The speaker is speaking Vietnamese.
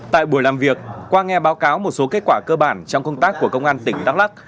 tại buổi làm việc qua nghe báo cáo một số kết quả cơ bản trong công tác của công an tỉnh đắk lắc